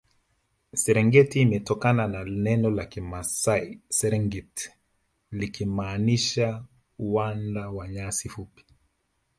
serengeti imetokana na neno la kimasai serengit likimaanisha uwanda wa nyasi fupi